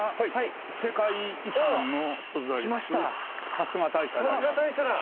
春日大社だ！